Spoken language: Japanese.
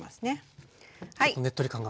ちょっとねっとり感が。